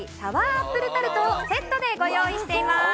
アップルタルトをセットでご用意しています。